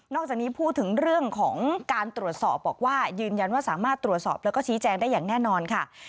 จากนี้พูดถึงเรื่องของการตรวจสอบบอกว่ายืนยันว่าสามารถตรวจสอบแล้วก็ชี้แจงได้อย่างแน่นอนค่ะ